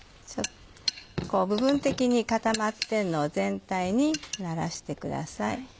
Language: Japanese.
部分的に固まってんのを全体にならしてください。